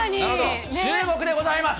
注目でございます。